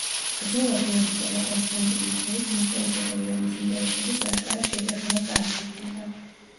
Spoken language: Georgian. ბრძოლა გიორგისა და კონსტანტინეს შორის მოსკოვისა და ირანის ინტერესების აშკარა შეჯახებას წარმოადგენდა.